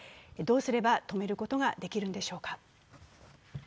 どうすれば止めることができるんでしょうか？